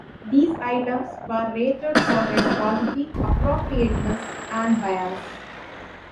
These items were rated for their quality, appropriateness, and bias.